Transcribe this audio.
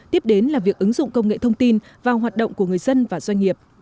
tiếp đến là việc ứng dụng công nghệ thông tin vào hoạt động của người dân và doanh nghiệp